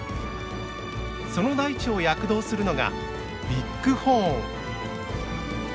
その大地を躍動するのがビッグホーン。